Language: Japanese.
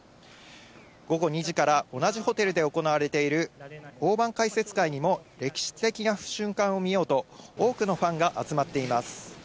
午後２時から同じホテルで行われている大盤解説会にも、歴史的な瞬間を見ようと、多くのファンが集まっています。